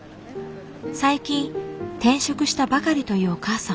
最近転職したばかりというお母さん。